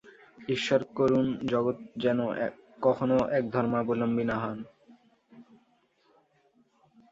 ঈশ্বর করুন, জগৎ যেন কখনও একধর্মাবলম্বী না হয়।